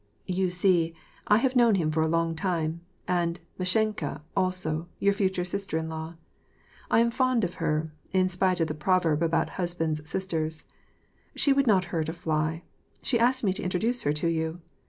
" You see, I have known him for a long time, and Mashenka, also, your future sister in law. I am fond of her, in spite of the proverb about husband's sisters, t She would not hurt a fly. She asked me to introduce her to you.